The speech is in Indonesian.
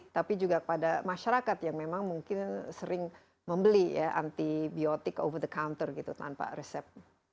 tapi juga pada masyarakat yang memang mungkin sering membeli ya antibiotik over the counter gitu tanpa resep